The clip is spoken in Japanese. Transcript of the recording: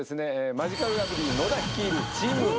マヂカルラブリー野田率いる。